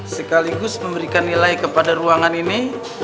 sekaligus memberikan nilai kepada ruangan ini